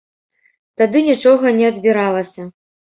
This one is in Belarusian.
Тады нічога не адбіралася.